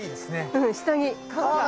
うん下に川が。